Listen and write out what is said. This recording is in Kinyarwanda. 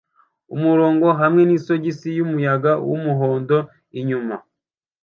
kumurongo hamwe nisogisi yumuyaga wumuhondo inyuma